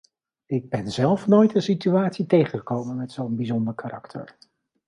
Ik ben zelf nooit een situatie tegengekomen met zo'n bijzonder karakter.